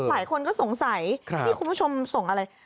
หลายคนก็สงสัยนี่คุณผู้ชมส่งอะไร